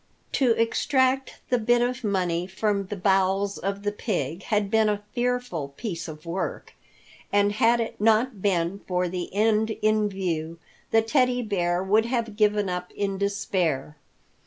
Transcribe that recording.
To extract the bit of money from the bowels of the pig had been a fearful piece of work, and had it not been for the end in view, the Teddy Bear would have given up in despair.